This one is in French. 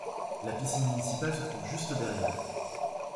La piscine municipale se trouve juste derrière.